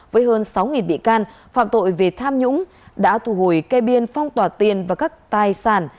với hơn sáu bị can phạm tội về tham nhũng đã thu hồi kê biên phong tỏa tiền và các tài sản